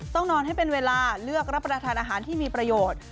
ต้องนอนให้เป็นเวลาเลือกรับประทานอาหารที่มีประโยชน์